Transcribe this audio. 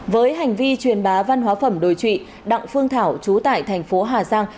với hành vi truyền bá văn hóa phẩm đồi trụy đặng phương thảo chú tại thành phố hà giang